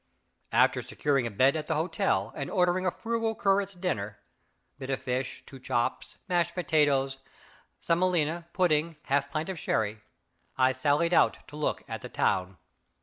After securing a bed at the hotel, and ordering a frugal curate's dinner (bit of fish, two chops, mashed potatoes, semolina pudding, half pint of sherry), I sallied out to look at the town.